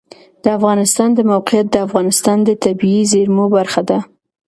د افغانستان د موقعیت د افغانستان د طبیعي زیرمو برخه ده.